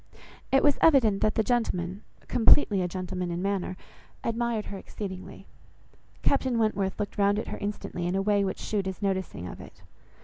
It was evident that the gentleman, (completely a gentleman in manner) admired her exceedingly. Captain Wentworth looked round at her instantly in a way which shewed his noticing of it.